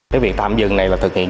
cái việc tạm dừng này là thực hiện